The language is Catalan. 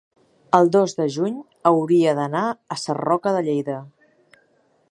el dos de juny hauria d'anar a Sarroca de Lleida.